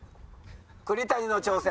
栗谷の挑戦。